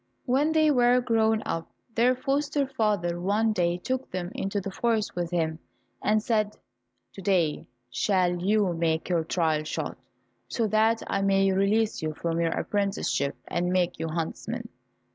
When they were grown up, their foster father one day took them into the forest with him, and said, "To day shall you make your trial shot, so that I may release you from your apprenticeship, and make you huntsmen."